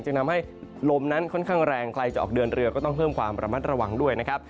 ทำให้ลมนั้นค่อนข้างแรงใครจะออกเดินเรือก็ต้องเพิ่มความระมัดระวังด้วยนะครับ